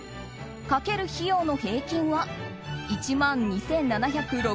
かける費用の平均は１万２７６７円。